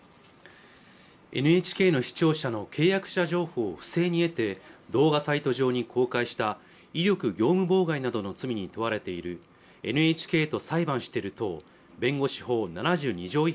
ＮＨＫの視聴者の契約者情報を不正に得て動画サイト上に公開した威力業務妨害などの罪に問われているＮＨＫと裁判してる党弁護士法７２条